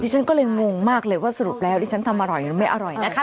ฉันก็เลยงงมากเลยว่าสรุปแล้วดิฉันทำอร่อยหรือไม่อร่อยนะคะ